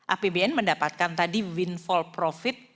apbn mendapatkan tadi win fall profit